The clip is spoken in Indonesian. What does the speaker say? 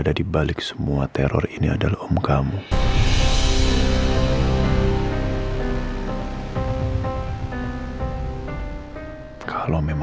karena dia sudah mencoba membunuh mama saya